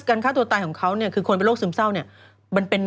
คนการฆ่าตัวตายของเขาเนี่ยคือคนเป็นโรคซึมเศร้าเนี่ย